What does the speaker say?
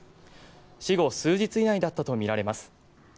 死後数日以内だったとみられます。